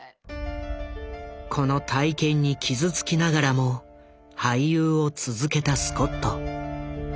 この体験に傷つきながらも俳優を続けたスコット。